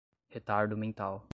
retardo mental